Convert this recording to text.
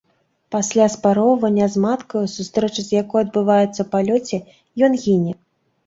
Пасля спароўвання з маткаю, сустрэча з якою адбываецца ў палёце, ён гіне.